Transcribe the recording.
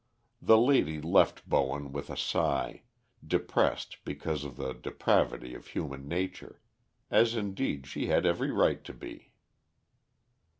The lady left Bowen with a sigh, depressed because of the depravity of human nature; as indeed she had every right to be.